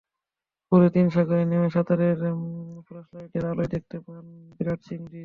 পরে তিনি সাগরে নেমে সাঁতরে ফ্লাশলাইটের আলোয় দেখতে পান বিরাট চিংড়িটি।